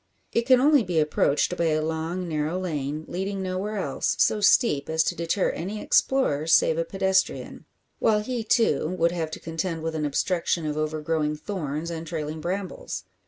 It can only be approached by a long, narrow lane, leading nowhere else, so steep as to deter any explorer save a pedestrian; while he, too, would have to contend with an obstruction of overgrowing thorns and trailing brambles.